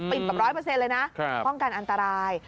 ปิดแบบร้อยเปอร์เซ็นต์เลยนะครับป้องกันอันตราย